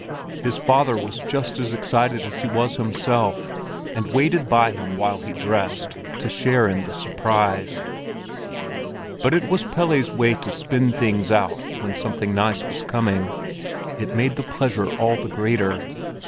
His father was just as excited as he was himself, and waited by him while he dressed, to share in the surprise. But it was Pelle's way to spin things out when something nice was coming; it made the pleasure all the greater.